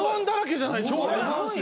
Ｍ−１だらけじゃない。